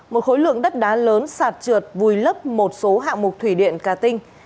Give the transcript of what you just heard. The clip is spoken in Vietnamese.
một khối lượng đất đá lớn sạt trượt vùi lấp một số hạng mục thủy điện ca tinh